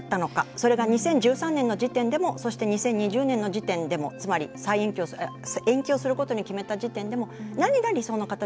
それが２０１３年の時点でもそして２０２０年の時点でもつまり延期をすることを決めた時点でも何が理想の形だったのか。